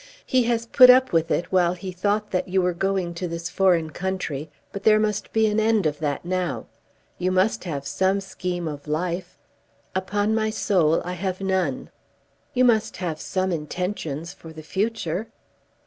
He has put up with it while he thought that you were going to this foreign country; but there must be an end of that now. You must have some scheme of life?" "Upon my soul I have none." "You must have some intentions for the future?"